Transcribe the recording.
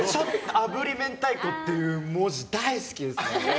あぶり明太子っていう文字大好きですね。